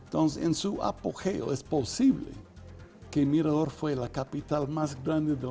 jadi di masa depan mungkin mirador adalah kapital terbesar di dunia